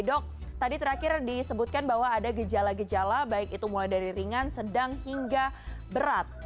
dok tadi terakhir disebutkan bahwa ada gejala gejala baik itu mulai dari ringan sedang hingga berat